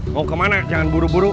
mau kemana jangan buru buru